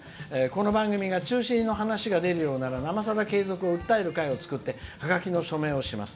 この番組が中止の話が出るなら「生さだ」継続を訴える会を作ってハガキの署名をします」。